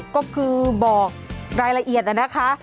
ก็คือบอกรายละเอียดนะคะ